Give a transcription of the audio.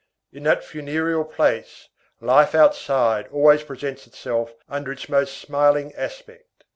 In that funereal place, life outside always presents itself under its most smiling aspect.